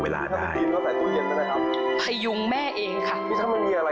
พายุงแม่เองค่ะ